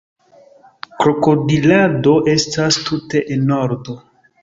Krokodilado estas tute enordo